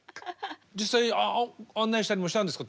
実際案内したりもしたんですか？